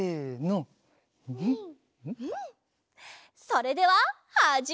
それでははじめい！